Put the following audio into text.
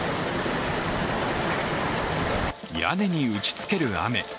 屋根に打ちつける雨。